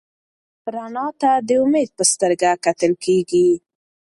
رڼا ته د امید په سترګه کتل کېږي.